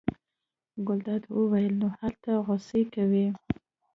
ګلداد وویل: نو هلته غوسې کوې.